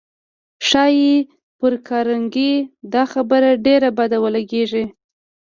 ښایي پر کارنګي دا خبره ډېره بده ولګېږي